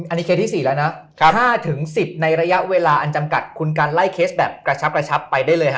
อันนี้เคสที่๔แล้วนะ๕๑๐ในระยะเวลาอันจำกัดคุณกันไล่เคสแบบกระชับกระชับไปได้เลยฮ